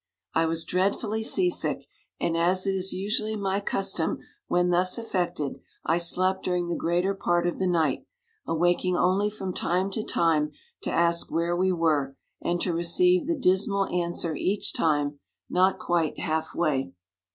I was dreadfully sea> sick, and as is usually my custom when thus affected, I slept during the greater part of the night, awaking only from time to time to ask where we were, and to receive the dismal answer each time —" Not quite halfway."